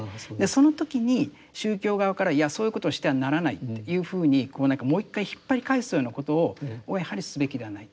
その時に宗教側からいやそういうことをしてはならないというふうにもう一回引っ張り返すようなことをやはりすべきではない。